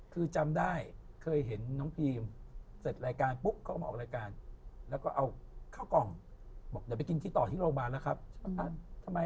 คือจำได้เคยเห็นน้องพีมเสร็จรายการปุ๊บเขาก็มาออกรายการแล้วก็เอาข้าวกล่องบอกเดี๋ยวไปกินที่ต่อที่โรงพยาบาลนะครับ